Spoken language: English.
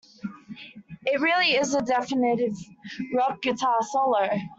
It really is the definitive rock guitar solo.